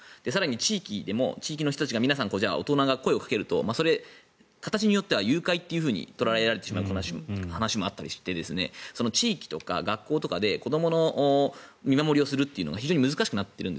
地域でも地域の人たちが大人が声をかけると形によっては誘拐と捉えられてしまう話もあったりして地域とか学校とかで子どもの見守りをするというのが非常に難しくなっている。